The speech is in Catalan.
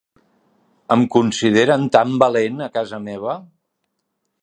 Em consideren tan valent a casa meva!